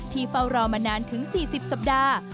เฝ้ารอมานานถึง๔๐สัปดาห์